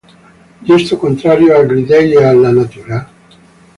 Gesto contrario agli dei e alla natura?